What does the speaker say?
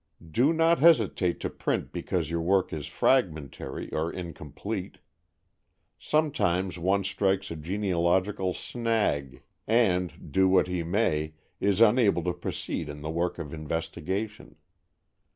Do not hesitate to print because your work is fragmentary or incomplete. Sometimes one strikes a genealogical "snag," and, do what he may, is unable to proceed in the work of investigation.